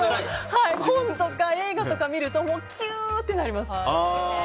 本とか映画とか見るとキューってなります。